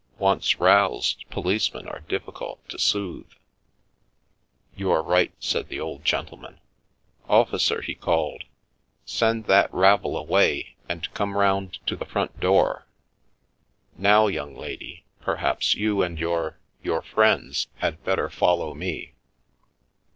Once roused, policemen are difficult to soothe." " You are right," said the old gentleman. " Officer! " he called. " Send that rabble away and come round We "Leap Screaming" to the front door. Now, young lady, perhaps you and your — your friends had better follow me."